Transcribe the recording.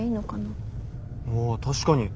あ確かに。